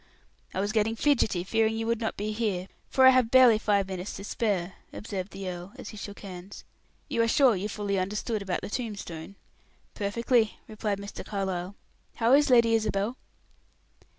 "I was getting fidgety fearing you would not be here, for I have barely five minutes to spare," observed the earl, as he shook hands. "You are sure you fully understood about the tombstone?" "Perfectly," replied Mr. Carlyle. "How is Lady Isabel?"